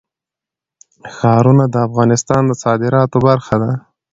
ښارونه د افغانستان د صادراتو برخه ده.